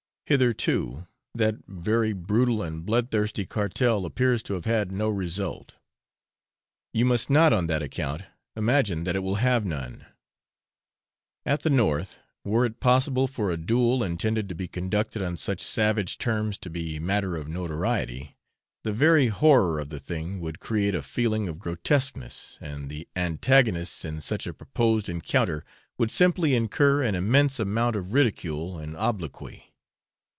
Hitherto that very brutal and bloodthirsty cartel appears to have had no result. You must not on that account imagine that it will have none. At the north, were it possible for a duel intended to be conducted on such savage terms to be matter of notoriety, the very horror of the thing would create a feeling of grotesqueness, and the antagonists in such a proposed encounter would simply incur an immense amount of ridicule and obloquy.